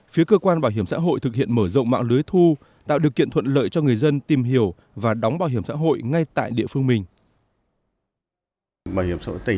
phía cơ quan bảo hiểm xã hội thực hiện mở rộng mạng lưới thu tạo điều kiện thuận lợi cho người dân tìm hiểu và đóng bảo hiểm xã hội ngay tại địa phương mình